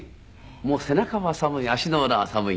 もう背中は寒い足の裏は寒いね。